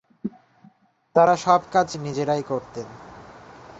তারা সব কাজ নিজেরাই করতেন।